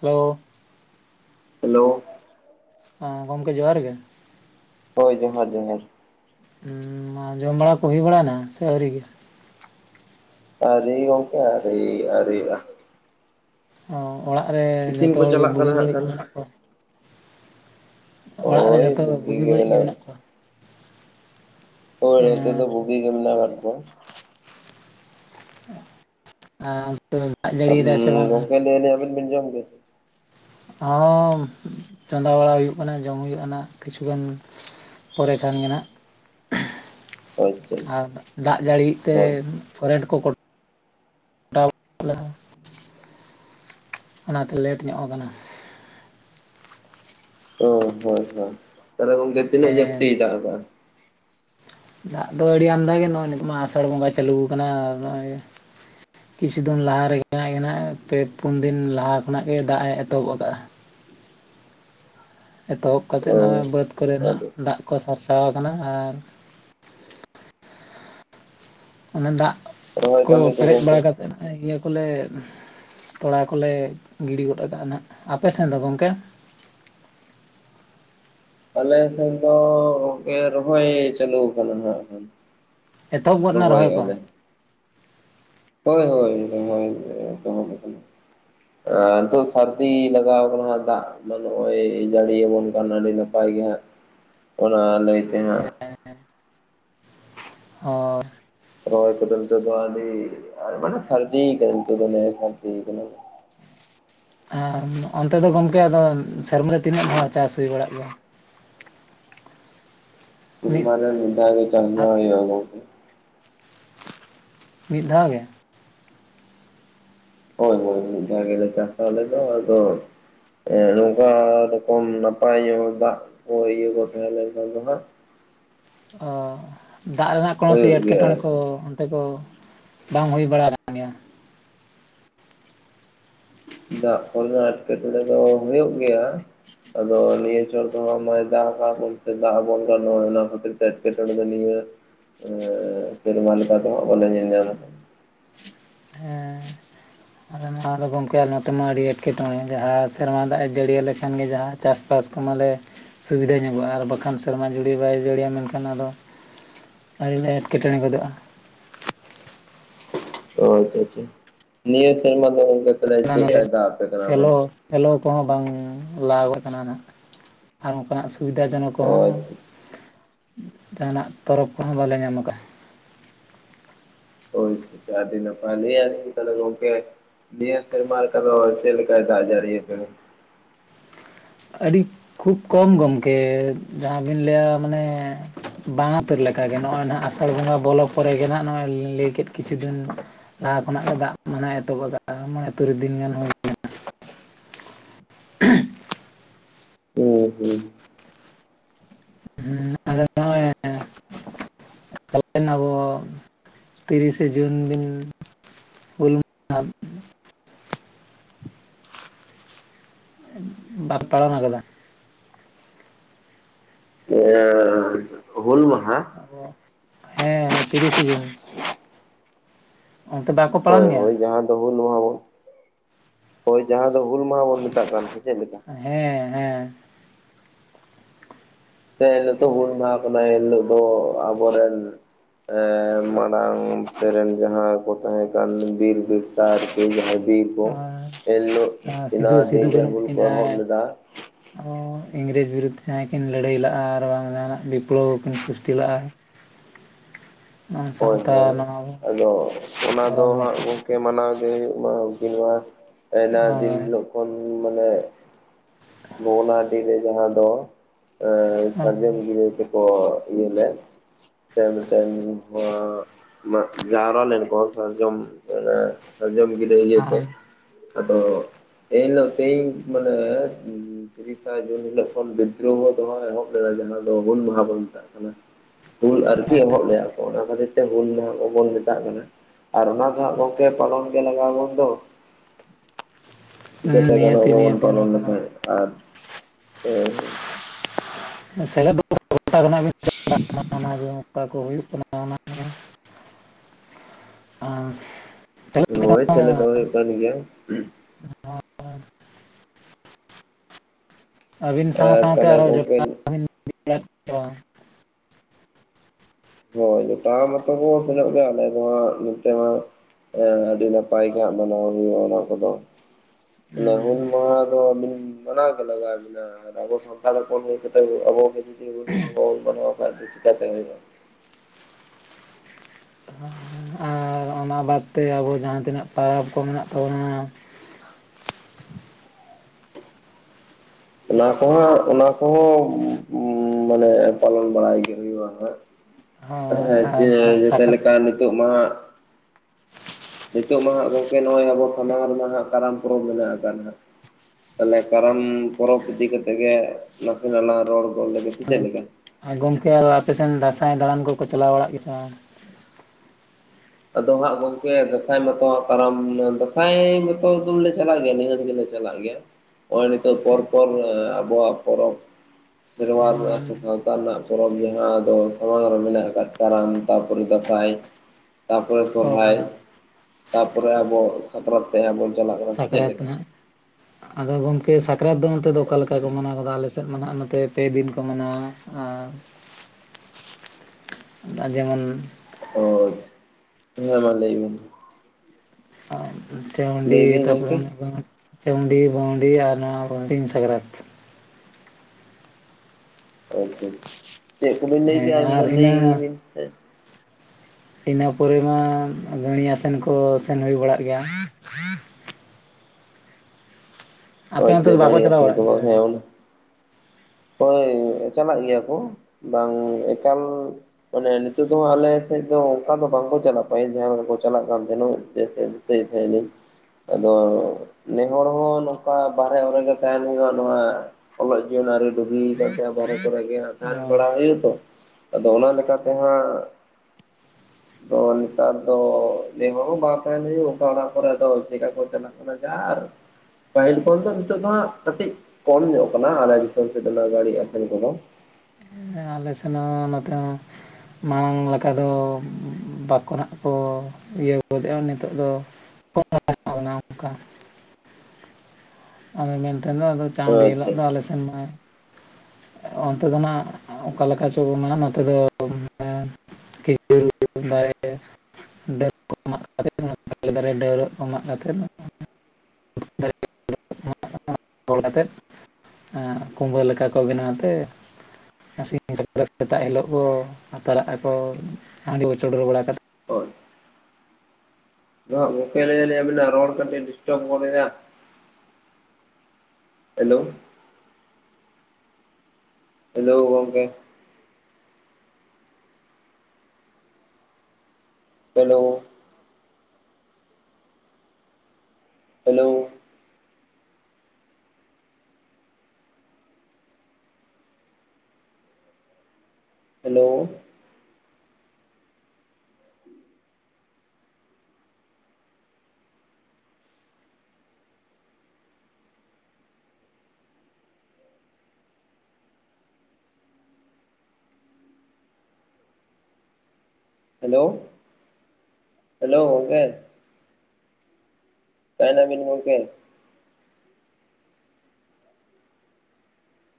Hello hello ᱦᱮᱸ ᱜᱚᱢᱠᱮ ᱡᱚᱦᱟᱨ ᱜᱮ ᱦᱳᱭ ᱡᱚᱦᱟᱨ ᱡᱚᱦᱟᱨ ᱡᱚᱢ ᱵᱟᱲᱟ ᱠᱚ ᱦᱩᱭ ᱵᱟᱲᱟᱭᱱᱟ ᱥᱮ ᱟᱹᱣᱨᱤ ᱜᱮ ᱟᱹᱣᱨᱤ ᱜᱚᱝᱠᱮ ᱟᱹᱣᱨᱤ ᱟᱹᱣᱨᱤ ᱟ ᱚ ᱚᱲᱟᱜ ᱨᱮ ᱤᱥᱤᱱ ᱡᱚᱛᱚ ᱠᱚ ᱦᱚᱲᱜᱮ ᱪᱟᱞᱟᱜ ᱠᱟᱱᱟ ᱵᱩᱜᱤ ᱦᱟᱸᱜ ᱵᱟᱹᱲᱤᱡ ᱠᱷᱟᱱ ᱢᱮᱱᱟᱜ ᱠᱚᱣᱟ ᱚᱲᱟᱜ ᱨᱮ ᱡᱷᱚᱛᱚ ᱵᱩᱜᱤ ᱵᱟᱹᱲᱤᱡ ᱜᱮ ᱢᱮᱱᱟᱜ ᱠᱚᱣᱟ ᱦᱳᱭ ᱱᱤᱛᱳᱜ ᱫᱚ ᱦᱮᱸ ᱵᱷᱩᱜᱤ ᱜᱮ ᱢᱮ-ᱱᱟ ᱵᱟᱲᱟᱜ ᱠᱚ ᱟᱨ [inaudible] ᱦᱩᱸ ᱵᱟᱝᱟ ᱜᱚᱝᱠᱮ ᱞᱟᱹᱫᱞᱤᱧ ᱟᱵᱤᱱ ᱵᱤᱱ ᱡᱚᱢ ᱠᱮᱫᱟ ᱚᱸ ᱪᱚᱸᱫᱟ ᱵᱟᱲᱟ ᱦᱩᱭᱩᱜ ᱠᱟᱱᱟ ᱡᱚᱢ ᱦᱩᱭᱩᱜ-ᱟ ᱱᱟᱜ ᱠᱤᱪᱷᱩᱜᱟᱱ ᱯᱚᱨᱮ ᱠᱷᱟᱱ ᱜᱮ ᱱᱟᱸᱜ ᱟᱪᱪᱷᱟ ᱟᱪᱪᱷᱟ ᱟᱨ ᱫᱟᱜ ᱡᱟᱹᱲᱤ ᱛᱮ ᱦᱳᱭ ᱠᱚᱨᱮᱱ ᱠᱚ ᱠᱚᱴ [unintelligible] ᱚᱱᱟᱛᱮ ᱞᱮᱴ ᱧᱚᱜ ᱠᱟᱱᱟ ᱚ ᱦᱳᱭ ᱦᱳᱭ ᱛᱟᱦᱚᱞᱮ ᱜᱚᱝᱠᱮ ᱛᱤᱱᱟᱹᱜ ᱦᱮᱸ ᱡᱟᱹᱥᱛᱤᱭ ᱫᱟᱜ ᱠᱟ ᱫᱟᱜ ᱫᱚ ᱟᱹᱰᱤ ᱟᱢᱫᱟ ᱜᱮ ᱱᱚᱜᱼᱚᱭ ᱱᱤᱛᱚᱜ ᱢᱟ ᱟᱥᱟᱲ ᱵᱚᱸᱜᱟ ᱪᱟᱹᱞᱩ ᱟᱠᱟᱱᱟ ᱱᱚᱜᱼᱚᱭ ᱠᱤᱪᱷᱩ ᱫᱤᱱ ᱞᱟᱦᱟ ᱨᱮᱜᱮ ᱦᱱᱟᱜ ᱜᱮ ᱱᱟᱜ ᱮ ᱯᱮ ᱯᱩᱱ ᱫᱤᱱ ᱞᱟᱦᱟ ᱠᱷᱚᱱᱟᱜ ᱜᱮ ᱫᱟᱜ ᱮ ᱮᱛᱚᱦᱚᱵ ᱟᱠᱟᱫᱼᱟ ᱮᱛᱚᱦᱚᱵ ᱠᱟᱛᱮᱫ ᱚ ᱱᱚᱣᱟᱜᱼ ᱵᱟᱹᱫᱽ ᱠᱚᱨᱮᱱᱟᱜ ᱟᱫᱚ ᱫᱟᱜ ᱠᱚ ᱥᱟᱨᱥᱟᱣ ᱟᱠᱟᱱᱟ ᱟᱨ ᱚᱱᱟ ᱫᱟᱜ ᱨᱚᱦᱚᱭ ᱠᱚ ᱠᱟᱹᱢᱤ ᱯᱮᱨᱮᱡ ᱜᱚᱝᱠᱮ ᱵᱟᱲᱟ ᱠᱟᱛᱮᱫ ᱱᱚᱜᱼᱚᱭ ᱤᱭᱟᱹ ᱠᱚᱞᱮ ᱛᱚᱲᱟ ᱠᱚᱞᱮ ᱜᱤᱰᱤ ᱜᱚᱫ ᱠᱟᱜᱼᱟ ᱱᱟᱦᱟᱜ ᱟᱯᱮᱥᱮᱱ ᱫᱚ ᱜᱚᱢᱠᱮ ᱟᱞᱮ ᱥᱮᱱ ᱫᱚ ᱜᱚᱝᱠᱮ ᱨᱚᱦᱚᱭ ᱪᱟᱹᱞᱩ ᱟᱠᱟᱱᱟ ᱦᱟᱸᱜ ᱮᱛᱚᱦᱚᱵ ᱜᱚᱫ ᱮᱱᱟ ᱨᱚᱦᱚᱭ ᱠᱚ ᱨᱚᱦᱚᱭᱮᱫᱼᱟ ᱞᱮ ᱦᱳᱭ ᱦᱳᱭ ᱨᱚᱦᱚᱭ ᱠᱚ ᱮᱛᱚᱦᱚᱵ ᱠᱟᱱᱟ ᱱᱤᱛᱚᱜ ᱥᱟᱹᱨᱫᱤ ᱞᱟᱜᱟᱣ ᱠᱟᱱᱟᱜ ᱫᱟᱜ ᱱᱚᱜᱼᱚᱭ ᱡᱟᱹᱲᱤᱭᱟᱵᱚᱱ ᱠᱟᱱᱟ ᱟᱹᱰᱤ ᱱᱟᱯᱟᱭ ᱱᱟᱯᱟᱭ ᱜᱮ ᱦᱟᱸᱜ ᱚᱱᱟ ᱞᱟᱹᱭᱛᱮ ᱦᱟᱸᱜ ᱦᱳᱭᱻᱻ ᱨᱚᱦᱚᱭ ᱠᱚᱫᱚ ᱱᱤᱛ ᱫᱚ ᱟᱹᱰᱤ ᱢᱟᱱᱮ ᱥᱟᱹᱨᱫᱤ ᱠᱟᱱᱟ ᱱᱤᱛᱳᱜ ᱫᱚ ᱥᱟᱨᱫᱤ ᱠᱟᱱᱟ ᱟᱨ ᱚᱱᱛᱮ ᱫᱚ ᱜᱚᱝᱠᱮ ᱟᱫᱚ ᱥᱮᱨᱢᱟ ᱨᱮ ᱛᱤᱱᱟᱹᱜ ᱫᱷᱟᱣ ᱪᱟᱥ ᱦᱩᱭ ᱵᱟᱲᱟᱜ ᱜᱮᱭᱟ? ᱥᱮᱨᱢᱟ ᱨᱮ ᱢᱤᱫ ᱫᱷᱟᱣ ᱜᱮ ᱪᱟᱥ ᱫᱚ ᱦᱩᱭᱩᱜ-ᱟ᱾ ᱜᱚᱢᱠᱮ᱾ ᱢᱤᱫ ᱫᱷᱟᱣ ᱜᱮ? ᱦᱳᱭ ᱦᱳᱭ ᱢᱤᱫ ᱫᱷᱟᱣ ᱜᱮᱞᱮ ᱪᱟᱥᱟ ᱟᱞᱮ ᱫᱚ ᱟᱫᱚ ᱱᱚᱝᱠᱟ ᱨᱚᱠᱚᱢ ᱱᱟᱯᱟᱭᱚᱜ ᱫᱟᱜ ᱠᱚ ᱤᱭᱟᱹ ᱠᱚ ᱛᱟᱦᱮᱸ ᱞᱮᱱᱠᱷᱟᱱ ᱫᱚ ᱦᱟᱸᱜ᱾ ᱚᱻ ᱫᱟᱜ ᱨᱮᱱᱟᱜ ᱠᱳᱱᱚ ᱥᱮ ᱦᱩᱭᱩᱜ ᱜᱮᱭᱟ ᱮᱴᱠᱮᱴᱚᱬᱮ ᱠᱚ ᱟᱨᱠᱤ ᱚᱱᱛᱮ ᱠᱚ ᱵᱟᱝ ᱦᱩᱭ ᱵᱟᱲᱟ ᱟᱠᱟᱱᱟ? ᱟ [inaudible] ᱫᱟᱜ ᱠᱚᱨᱮᱱᱟᱜ ᱮᱸᱴᱠᱮᱴᱚᱬᱮ ᱫᱚ ᱦᱩᱭᱩᱜ ᱜᱮᱭᱟ᱾ ᱟᱫᱚ ᱱᱤᱭᱟᱹ ᱪᱚᱨ ᱫᱚ ᱵᱟᱝ ᱢᱟᱭ ᱫᱟᱜ ᱠᱟᱜ ᱵᱚᱱ ᱥᱮ ᱫᱟᱜ ᱵᱚᱱ ᱜᱟᱱᱚᱜᱼᱟ ᱚᱱᱟ ᱠᱷᱟᱹᱛᱤᱨ ᱛᱮ ᱮᱴᱠᱮᱴᱚᱬᱮ ᱫᱚ ᱱᱤᱭᱟᱹ ᱮᱸᱻ ᱥᱮᱨᱢᱟ ᱞᱮᱠᱟ ᱛᱮᱦᱚᱸ ᱵᱟᱞᱮ ᱧᱮᱞ ᱧᱟᱢᱟ᱾ ᱦᱮᱸᱻ ᱱᱚᱣᱟᱫᱚ ᱜᱚᱢᱠᱮ ᱟᱞ ᱱᱚᱛᱢᱟ ᱟᱹᱰᱤ ᱮᱴᱠᱮᱴᱚᱬᱮ ᱡᱟᱦᱟᱸ ᱥᱮᱨᱢᱟ ᱫᱟᱜ ᱮ ᱡᱟᱹᱲᱤᱭᱟᱹᱟᱹ ᱞᱮᱠᱷᱟᱱ ᱜᱮ ᱡᱟᱦᱟᱸ ᱪᱟᱥᱵᱟᱥ ᱠᱚᱢᱟᱞᱮ ᱥᱩᱵᱤᱫᱟ ᱧᱚᱜᱚᱜᱼᱟ ᱟᱨ ᱵᱟᱠᱷᱟᱱ ᱥᱮᱨᱢᱟ ᱡᱩᱲᱤ ᱵᱟᱭ ᱡᱟᱹᱲᱤᱭᱟ ᱢᱮᱱᱠᱷᱟᱱ ᱟᱫᱚ ᱟᱰᱤ ᱞᱮ ᱮᱴᱠᱮᱴᱚᱬᱮ ᱜᱚᱫᱚᱜᱼᱟ᱾ ᱚ ᱟᱪᱪᱷᱟ ᱟᱪᱪᱷᱟ ᱱᱤᱭᱟᱹ ᱥᱮᱨᱢᱟ ᱫᱚ ᱪᱮᱫᱠᱟᱭ ᱫᱟᱜ ᱟᱯᱮ ᱠᱟᱱᱟ᱾ ᱛᱟᱠᱚᱣᱟ ᱠᱚᱦᱚᱸ ᱵᱟᱝ ᱞᱟᱜᱚᱜ ᱟᱠᱟᱱᱟ ᱱᱟᱦᱟᱜ ᱟᱨ ᱚᱱᱠᱟᱱᱟᱜ ᱥᱩᱵᱤᱫᱷᱟ ᱡᱚᱱᱚᱠ ᱚ ᱠᱚᱦᱚᱸ ᱟᱪᱪᱷᱟ ᱡᱟᱦᱟᱱᱟᱜ ᱛᱚᱨᱚᱯ ᱠᱚᱦᱚᱸ ᱵᱟᱞᱮ ᱧᱟᱢ ᱟᱠᱟᱫᱟ᱾ ᱟᱰᱤ ᱱᱟᱯᱟᱭ [inaudible] ᱛᱟᱦᱞᱮ ᱜᱚᱢᱠᱮ ᱱᱤᱭᱟᱹ ᱥᱮᱨᱢᱟ ᱞᱮᱠᱟ ᱫᱚ ᱪᱮᱫ ᱞᱮᱠᱟ ᱫᱟᱜ ᱡᱟᱹᱲᱤ ᱟᱯᱮ ᱠᱟᱱᱟ ᱟᱹᱰᱤ ᱠᱷᱩᱵ ᱠᱚᱢ ᱜᱚᱢᱠᱮ ᱡᱟᱦᱟᱸ ᱵᱤᱱ ᱞᱟᱹᱭᱟ ᱢᱟᱱᱮ ᱵᱟᱝᱟ ᱩᱛᱟᱹᱨ ᱞᱮᱠᱟᱜᱮ ᱱᱚᱜᱼᱚᱭ ᱱᱟᱜ ᱟᱥᱟᱲ ᱵᱚᱸᱜᱟ ᱵᱚᱞᱚ ᱯᱚᱨᱮᱜ ᱜᱮ ᱱᱟᱦᱟᱜ ᱱᱚᱜᱼᱚᱭ ᱞᱟᱹᱭ ᱠᱮᱫ ᱠᱤᱪᱷᱩ ᱫᱤᱱ ᱞᱟᱦᱟ ᱠᱷᱚᱱᱟᱜ ᱜᱮ ᱫᱟᱜ ᱢᱟᱱᱮ ᱮᱛᱚᱦᱚᱵᱟᱜᱼᱟ ᱢᱚᱬᱮ ᱛᱩᱨᱩᱭ ᱫᱤᱱ ᱜᱟᱱ ᱦᱩᱭ ᱠᱟᱱᱟ᱾ [inaudible] ᱦᱮᱸ ᱦᱩᱸ ᱦᱩᱸ ᱟ [inaudible] ᱦᱮᱸ [inaudible] ᱟᱵᱚ ᱛᱤᱨᱤᱥᱮ ᱡᱩᱱ ᱫᱤᱱ ᱦᱩᱞ [inaudible] ᱵᱟ [inaudible] ᱯᱟᱞᱚᱱ ᱟᱠᱟᱫᱟ ᱦᱮ [inaudible] ᱦ [inaudible] ᱦᱩᱞ ᱢᱟᱦᱟᱸ᱾ ᱟᱵᱚ ᱦᱮᱸᱮᱸ ᱛᱤᱨᱤᱥᱮ ᱡᱩᱱ ᱚᱱᱛᱮ ᱵᱟᱠᱚ ᱦᱳᱭ ᱯᱟᱲᱚᱱ ᱜᱮᱭᱟ᱾ ᱦᱳᱭ ᱡᱟᱦᱟᱸ ᱫᱚ ᱦᱩᱞ ᱢᱟᱦᱟᱸ ᱵᱚ ᱦᱳᱭ ᱡᱟᱦᱟᱸ ᱫᱚ ᱦᱩᱞ ᱢᱟᱦᱟ ᱵᱚᱱ ᱢᱮᱛᱟᱜ ᱠᱟᱱ ᱪᱮᱫ ᱞᱮᱠᱟ᱾ ᱦᱮᱸ ᱦᱮᱸ ᱥᱮ ᱱᱤᱳᱛᱜ ᱦᱩᱞ ᱠᱟᱱᱟ ᱮᱤᱞᱳᱜ ᱫᱚ ᱟᱵᱚᱨᱮᱱ ᱢᱟᱲᱟᱝ ᱛᱮᱨᱮ ᱨᱮᱱ ᱡᱟᱦᱟᱸ ᱠᱚ ᱛᱟᱦᱮᱸ ᱠᱟᱱ ᱵᱤᱨ ᱵᱤᱨᱥᱟ ᱟᱨᱠᱤ ᱵᱤᱨ ᱠᱚ ᱮᱱᱦᱤᱞᱳᱜ ᱚᱱᱟ ᱥᱤᱫᱩ ᱫᱤᱱ ᱨᱮ ᱦᱩᱞ ᱠᱚ ᱮᱦᱚᱵ ᱞᱮᱫᱟ᱾ ᱟᱵᱚ ᱤᱝᱨᱮᱡᱽ ᱵᱤᱨᱩᱫᱽᱷ ᱡᱟᱦᱟᱸᱭ ᱠᱤᱱ ᱞᱟᱹᱲᱦᱟᱹᱭ ᱞᱟᱜᱼᱟ ᱟᱨ ᱵᱟᱝ ᱡᱟᱦᱟᱱᱟᱜ ᱵᱤᱯᱞᱚᱵᱚ ᱦᱚᱸ ᱠᱤᱱ ᱥᱨᱤᱥᱴᱤ ᱞᱟᱜᱼᱟ᱾ ᱱᱚᱣᱟ ᱦᱳᱭ ᱥᱟᱶᱛᱟ ᱦᱳᱭ ᱱᱚᱣᱟ ᱟᱫᱚ ᱚᱱᱟ ᱫᱚ ᱫᱷᱚᱨᱚᱢ ᱦᱟᱸᱜ ᱵᱟᱠᱷᱨᱟ ᱜᱚᱝᱠᱮ ᱠᱮ ᱢᱟᱱᱟᱣ ᱜᱮ ᱦᱩᱭᱩᱜ ᱢᱟ ᱩᱱᱠᱤᱱ ᱱᱚᱣᱟ ᱟᱭᱢᱟ ᱫᱤᱱ ᱦᱳᱭ ᱦᱤᱞᱳᱜ ᱠᱷᱚᱱ ᱢᱟᱱᱮ ᱵᱷᱚᱜᱽᱱᱟᱰᱤ ᱨᱮ ᱡᱟᱦᱟᱸ ᱫᱚ ᱥᱟᱨᱡᱚᱢ ᱜᱤᱹᱨᱟ ᱠᱚ ᱤᱭᱟᱹ ᱞᱮᱫ ᱥᱮᱢ‌ ᱥᱮᱢ ᱱᱚᱣᱟ ᱢᱟᱜᱽ ᱡᱟᱣᱨᱟᱞᱮᱱ ᱠᱚ ᱥᱟᱨᱡᱚᱢ ᱜᱤᱹᱨᱟ ᱥᱟᱨᱡᱚᱢ ᱜᱤᱹᱨᱟ ᱤᱭᱟᱹᱛᱮ ᱟᱨ ᱟᱫᱚ ᱮᱱᱦᱤᱞᱳᱜ ᱛᱮᱦᱤᱧ ᱢᱟᱱᱮ ᱛᱤᱨᱤᱥᱟ ᱡᱩᱱ ᱦᱤᱞᱳᱜ ᱠᱷᱚᱱ ᱵᱤᱫᱽᱫᱨᱳᱦᱚ ᱫᱚᱦᱚ ᱮᱦᱚᱵ ᱞᱮᱫᱟ ᱡᱟᱦᱟᱸ ᱫᱚ ᱦᱩᱞ ᱢᱟᱦᱟ ᱵᱚᱱ ᱢᱮᱛᱟᱜᱼᱟ ᱠᱟᱱ ᱩᱞ ᱟᱨᱠᱤ ᱮᱢᱦᱚᱜ ᱞᱮᱭᱟ ᱚᱱᱟ ᱠᱷᱟᱹᱛᱤᱨ ᱛᱮ ᱦᱩᱞ ᱢᱟᱦᱟ ᱠᱚᱵᱚᱱ ᱢᱮᱛᱟᱜ ᱠᱟᱱᱟ ᱟᱨ ᱚᱱᱟ ᱫᱚ ᱦᱟᱸᱜ ᱜᱚᱝᱠᱮ ᱯᱟᱞᱚᱱ ᱜᱮ ᱞᱟᱜᱟᱣ ᱟᱵᱚᱱ ᱫᱚ᱾ ᱪᱤᱠᱟᱹᱛᱮ ᱜᱟᱱᱚᱜ-ᱟ ᱱᱤᱭᱟᱹᱛᱮ ᱵᱟᱵᱚᱱ ᱱᱤᱭᱟᱹᱛᱮ ᱚᱱᱟ ᱯᱟᱞᱚᱱ ᱠᱚᱢᱟ ᱞᱮᱠᱷᱟᱱ ᱟᱨ ᱦᱳᱭ ᱦᱳᱭ᱾ [unintelligible] [unintelligible] ᱦᱳᱭ ᱥᱮᱞᱮᱫᱚᱜ ᱦᱩᱭᱩᱜ ᱠᱟᱱ ᱜᱮᱭᱟ᱾ ᱟᱹᱵᱤᱱ ᱥᱟᱶ ᱮᱸ ᱥᱟᱶᱛᱮ ᱛᱟᱦᱚᱞᱮ ᱟᱨᱚ ᱜᱚᱝᱠᱮ [unintelligible] ᱦᱳᱭ ᱡᱚᱴᱟᱣ ᱢᱟᱛᱚ ᱠᱚ ᱥᱮᱱᱚᱜ ᱜᱮᱭᱟ, ᱟᱞᱮ ᱫᱚ ᱦᱟᱜ ᱱᱚᱛᱮ ᱢᱟ ᱦᱮᱸ ᱟᱹᱰᱤ ᱱᱟᱯᱟᱭ ᱜᱮ ᱢᱟᱱᱟᱣ ᱦᱩᱭᱩᱜᱼᱟ ᱚᱱᱟ ᱠᱚᱫᱚ᱾ ᱚᱱᱮ ᱦᱩᱞ ᱢᱟᱦᱟ ᱫᱚ ᱟᱹᱵᱤᱱ ᱢᱟᱱᱟᱣ ᱜᱮ ᱞᱟᱜᱟᱣ ᱟᱵᱤᱱᱟ ᱟᱵᱚ ᱥᱟᱱᱛᱟᱲ ᱦᱚᱯᱚᱱ ᱦᱩᱭ ᱠᱟᱛᱮ ᱟᱵᱚ ᱦᱤᱡᱩᱜ ᱦᱩᱞ ᱢᱟᱦᱟ ᱵᱟᱵᱚᱱ ᱢᱟᱱᱟᱣ ᱠᱷᱟᱡ ᱪᱤᱠᱟᱛᱮ ᱦᱩᱭ-ᱟ, [unintelligible] ᱟᱨ ᱚᱱᱟ ᱵᱟᱫᱽᱛᱮ ᱟᱵᱚ ᱡᱟᱦᱟᱸ ᱛᱤᱱᱟᱹᱜ ᱯᱟᱨᱟᱵᱽ ᱠᱚ ᱢᱮᱱᱟᱜ ᱛᱟᱵᱚᱱᱟ ᱚᱱᱟ ᱠᱚᱦᱟᱸ ᱚᱱᱟ ᱠᱚᱦᱚᱸ ᱢᱟᱱᱮ ᱯᱟᱞᱚᱱ ᱵᱟᱲᱟᱭ ᱜᱮ ᱦᱩᱭᱩᱜᱼᱟ ᱦᱟᱸᱜ᱾ ᱦᱳᱭ ᱦᱮᱸ ᱡᱮ ᱟᱨ ᱡᱮᱛᱮ ᱥᱟᱠᱨᱟᱛ ᱞᱮᱠᱟ ᱱᱤᱛᱳᱜ ᱢᱟ ᱱᱤᱛᱚᱜ ᱢᱟᱦᱟᱜ ᱜᱚᱝᱠᱮ ᱱᱚᱜᱼᱚᱭ ᱟᱵᱚ ᱥᱟᱢᱟᱝ ᱨᱮᱢᱟ ᱦᱟᱸᱜ ᱠᱟᱨᱟᱢ ᱯᱚᱨᱚᱵᱽ ᱢᱮᱱᱟᱜ ᱟᱠᱟᱫᱟ᱾ ᱛᱟᱦᱚᱞᱮ ᱠᱟᱨᱟᱢ ᱯᱚᱨᱚᱵᱽ ᱤᱫᱤ ᱠᱟᱛᱮᱜ ᱜᱮ ᱱᱟᱥᱮ ᱱᱟ ᱞᱟᱝ ᱨᱚᱲ ᱜᱚᱫ ᱞᱮᱜᱮ ᱪᱮᱫ ᱞᱮᱠᱟ? ᱜᱚᱢᱠᱮ ᱟᱨ ᱟᱯᱮᱥᱱ ᱫᱟᱹᱥᱟᱭ ᱫᱟᱬᱟᱱ ᱠᱚᱠᱚ ᱪᱟᱞᱟᱣ ᱵᱟᱲᱟᱜ ᱜᱮᱭᱟ? ᱟᱫᱚ ᱦᱟᱸᱜ ᱜᱚᱝᱠᱮ ᱫᱟᱸᱥᱟᱭ ᱢᱟᱛᱚ ᱠᱟᱨᱟᱢ ᱫᱟᱸᱥᱟᱭ ᱢᱟᱛᱚ ᱮᱠᱫᱚᱢ ᱞᱮ ᱪᱟᱞᱟᱜ ᱜᱮᱭᱟ ᱱᱤᱦᱟᱹᱛ ᱜᱮ ᱪᱟᱞᱟᱜ ᱜᱮᱭᱟ᱾ ᱱᱚᱜᱼᱚᱭ ᱱᱤᱛᱚᱜ ᱯᱚᱨ ᱯᱚᱨ ᱟᱵᱚᱣᱟᱜ ᱯᱚᱨᱚᱵᱽ᱾ ᱥᱮᱨᱣᱟ ᱨᱮᱱᱟᱜ ᱥᱮ ᱦᱳᱭ ᱥᱟᱶᱛᱟ ᱨᱮᱱᱟᱜ ᱯᱚᱨᱚᱵᱽ ᱡᱟᱦᱟᱸ ᱟᱫᱚ ᱥᱟᱢᱟᱝ ᱨᱮ ᱢᱮᱱᱟᱜ ᱟᱠᱟᱫ ᱠᱚᱣᱟ᱾ ᱠᱟᱨᱟᱢ ᱛᱟᱯᱚᱨᱤ ᱫᱟᱸᱥᱟᱭ᱾ ᱛᱟᱯᱚᱨᱮ ᱥᱚᱨᱦᱟᱭ ᱛᱟᱯᱚᱨᱮ ᱟᱵᱚ ᱥᱟᱠᱨᱟᱛ ᱥᱮᱫ ᱵᱚᱱ ᱪᱟᱞᱟᱜ ᱠᱟᱱᱟ ᱥᱟᱠᱨᱟᱛ ᱪᱮᱫᱞᱮᱠᱟ? ᱱᱟᱦᱟᱜ ᱟᱫᱚ ᱜᱚᱝᱠᱮ ᱥᱟᱠᱨᱟᱛ ᱫᱚ ᱚᱱᱛᱮ ᱫᱚ ᱚᱠᱟ ᱞᱮᱠᱟ ᱠᱚ ᱢᱟᱱᱟᱣ ᱜᱚᱫᱟ? ᱟᱞᱮ ᱥᱮᱫ ᱱᱚᱛᱮ ᱯᱮ ᱫᱤᱱ ᱠᱚ ᱢᱟᱱᱟᱣᱟ ᱟᱨ ᱡᱮᱢᱚᱱ ᱚᱪᱷᱟ ᱦᱮᱸ ᱢᱟ ᱞᱟᱹᱭᱤᱱ ᱞᱟᱹᱭ ᱵᱤᱱ ᱜᱚᱝᱠᱮ [inaudible] ᱟᱪᱪᱷᱟ ᱪᱮᱫ ᱠᱚᱵᱤᱱ ᱞᱟᱹᱭ ᱦᱮᱸ ᱠᱮᱜ-ᱟ ᱟᱨ ᱞᱟᱹᱭ ᱤᱱᱟᱹ ᱵᱤᱱ ᱥᱮ? ᱛᱤᱱᱟᱹᱜ ᱯᱚᱨᱮ ᱢᱟᱱ ᱜᱟᱲᱤ ᱟᱥᱮᱱ ᱠᱚ ᱥᱮᱱ ᱦᱩᱭ ᱵᱟᱲᱟᱜ ᱜᱮᱭᱟ᱾ ᱚ ᱟᱯᱮ ᱚᱱᱛᱮ ᱟᱪᱪᱷᱟ ᱫᱚ ᱵᱟᱠᱚ ᱜᱟᱹᱲᱤ ᱪᱟᱞᱟᱣ ᱟᱥᱮᱱ ᱠᱚ ᱵᱟᱲᱟᱜ ᱜᱮᱭᱟ ᱵᱟᱝ ᱜᱟᱹᱲᱤ ᱦᱮᱸ, ᱦᱳᱭ ᱪᱟᱞᱟᱜ ᱜᱮᱭᱟ ᱠᱚ ᱵᱟᱝ ᱮᱠᱟᱞ ᱚᱱᱮ ᱱᱤᱛᱚᱜ ᱫᱚ ᱟᱞᱮᱥᱮᱫ ᱫᱚ ᱚᱱᱠᱟ ᱫᱚ ᱵᱟᱝᱠᱚ ᱪᱟᱞᱟᱜᱼᱟ ᱯᱟᱹᱦᱤᱞ ᱡᱟᱦᱟᱸᱱᱟᱜ ᱠᱚ ᱪᱟᱞᱟᱜ ᱠᱟᱱ ᱛᱟᱦᱮᱱᱟ ᱡᱮᱥᱮ, [unintelligible] ᱟᱫᱚ ᱱᱮ ᱦᱚᱲ ᱦᱚᱸ ᱵᱟᱨᱦᱮ ᱚᱨᱮ ᱜᱮ ᱛᱟᱦᱮᱱ ᱦᱩᱭᱩᱜᱼᱟ ᱱᱚᱣᱟ ᱚᱞᱚᱜ ᱡᱤᱭᱚᱱ ᱟᱹᱨᱤ ᱵᱩᱜᱤ ᱠᱟᱱ ᱛᱟᱭᱟ ᱵᱟᱦᱨᱮ ᱠᱚᱨᱮ ᱜᱮ ᱚ ᱛᱟᱦᱮᱱ ᱵᱟᱲᱟ ᱦᱩᱭᱩᱜ-ᱟ ᱛᱚ ᱟᱫᱚ ᱚᱱᱟ ᱞᱮᱠᱟᱛᱮᱦᱟᱸᱜ ᱟᱫᱚ ᱱᱮᱛᱟᱨ ᱫᱚ ᱱᱮ ᱦᱚᱲ ᱦᱚᱸ ᱵᱟᱝ ᱛᱟᱦᱮᱱ ᱦᱩᱭᱩᱜ ᱚᱠᱟ ᱚᱲᱟᱜ ᱠᱚᱨᱮ ᱫᱚ ᱪᱮᱫ ᱞᱮᱠᱟ ᱠᱚ ᱪᱟᱞᱟᱜ ᱚᱱᱟ ᱡᱟᱨ ᱯᱟᱹᱦᱤᱞ ᱠᱷᱚᱱ ᱫᱚ ᱱᱤᱛᱚᱜ ᱫᱚ ᱦᱟᱸᱜ ᱠᱟᱹᱴᱤᱡ ᱠᱚᱢ ᱧᱚᱜ ᱠᱟᱱᱟ ᱟᱞᱮ ᱫᱤᱥᱚᱢ ᱥᱮᱫ ᱨᱮᱱᱟᱜ ᱜᱟᱹᱲᱤ ᱟᱥᱮᱱ ᱠᱚᱫᱚ᱾ ᱦᱮᱸ ᱟᱞᱮ ᱥᱮᱱᱟᱦᱜ ᱱᱚᱛᱮ ᱦᱚᱸ᱾ ᱢᱟᱲᱟᱝ ᱞᱮᱠᱟ ᱫᱚ ᱵᱟᱠᱚ ᱱᱟᱜ ᱠᱚ ᱤᱭᱟᱹ ᱜᱚᱫᱮᱜᱼᱟ ᱱᱤᱛᱚᱜ ᱫᱚ᱾ [unintelligible] ᱟᱫᱚ ᱢᱮᱱᱛᱮ ᱫᱚ ᱟᱫᱚ ᱪᱟᱣᱰᱤ ᱦᱤᱞᱳᱜ ᱟᱪᱪᱷᱟ ᱟᱪᱪᱷᱟ ᱫᱚ ᱟᱞᱮ ᱥᱮᱱ ᱢᱟ ᱚᱱᱛᱮ ᱫᱚ ᱱᱟᱜ ᱚᱠᱟ ᱞᱮᱠᱟ ᱪᱚ [unintelligible] ᱱᱚᱛᱮ ᱫᱚ [unintelligible] [unintelligible] [unintelligible] ᱠᱟᱛᱮᱫ ᱠᱩᱢᱵᱟᱹ ᱞᱮᱠᱟ ᱠᱚ ᱵᱮᱱᱟᱣ ᱛᱮ [unintelligible] ᱦᱳᱭ [unintelligible] ᱜᱚᱢᱠᱮ ᱟᱵᱤᱱᱟᱜ ᱨᱚᱲ ᱠᱟᱹᱴᱤᱡ ᱴᱤᱥᱴᱟᱵ ᱜᱚᱫ ᱮᱫᱟ, ᱦᱮᱞᱳ ᱦᱮᱞᱳ ᱜᱚᱢᱠᱮ, hello. Hello. Hello. Hello. Hello ᱜᱚᱢᱠᱮ ᱾ ᱚᱠᱟᱭ ᱮᱱᱟᱵᱤᱱ ᱜᱚᱢᱠᱮ?